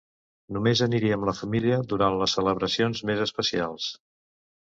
Només aniria amb la família durant les celebracions més especials.